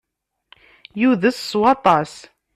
Yudes s waṭas.